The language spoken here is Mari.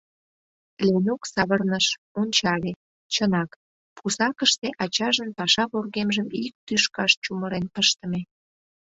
Ленук савырныш, ончале: чынак, пусакыште ачажын паша вургемжым ик тӱшкаш чумырен пыштыме.